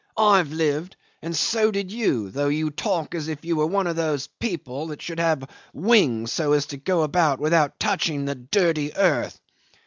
I've lived and so did you, though you talk as if you were one of those people that should have wings so as to go about without touching the dirty earth.